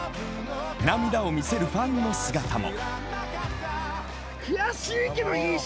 涙を見せるファンの姿も。